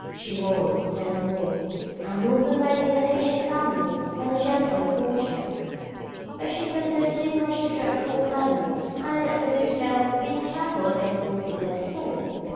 She was, says Mores, a northern lady of an ancient family and a genteel fortune, "but she pursued too much the drug called learning, and in that pursuit failed of being careful of any one thing necessary.